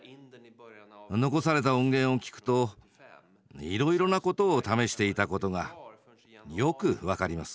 残された音源を聴くといろいろなことを試していたことがよく分かります。